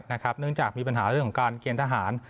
เนื่องจากมีปัญหาเรื่องของการเกณฑ์ทหาร